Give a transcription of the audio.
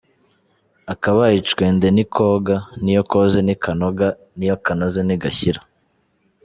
Akabaye icwende ntikoga, niyo koze ntikanoga, n’iyo kanoze ntigashyira.